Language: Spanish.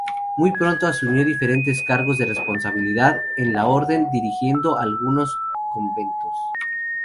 Muy pronto asumió diferentes cargos de responsabilidad en la orden, dirigiendo algunos conventos.